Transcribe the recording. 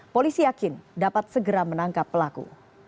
polisi yakin dapat segera menangkap pelaku